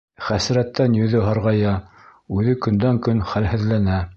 Хәсрәттән йөҙө һарғая, үҙе көндән-көн хәлһеҙләнә.